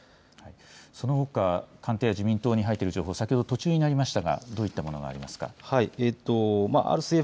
そのほか官邸、自民党に入っている情報先ほど途中になりましたがどういったものがありますか。